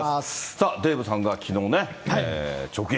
さあ、デーブさんがきのうね、直撃。